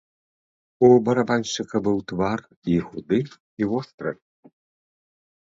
У барабаншчыка быў твар і худы і востры.